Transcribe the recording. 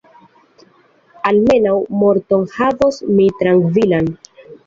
Almenaŭ morton havos mi trankvilan.